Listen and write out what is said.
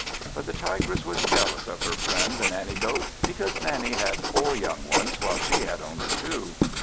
But the Tigress was jealous of her friend the Nanny goat, because Nanny had four young ones, while she had only two.